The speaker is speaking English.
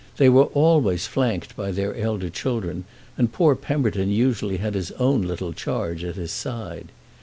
They were always flanked by their elder children, and poor Pemberton usually had his own little charge at his side.